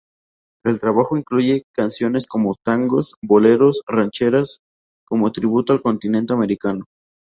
El trabajo incluye canciones como Tangos, Boleros y Rancheras como tributo al continente americano.